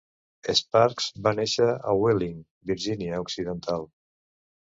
Sparks va néixer a Wheeling, Virgínia Occidental.